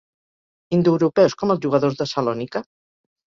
Indoeuropeus com els jugadors de Salònica.